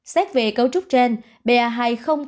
xét về cấu trúc trên ba hai không có